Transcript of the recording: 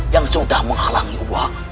yang sudah menghalangi uwak